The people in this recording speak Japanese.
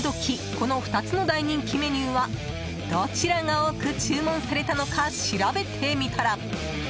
この２つの大人気メニューはどちらが多く注文されたのか調べてみたら。